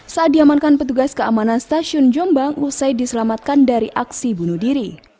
saat diamankan petugas keamanan stasiun jombang usai diselamatkan dari aksi bunuh diri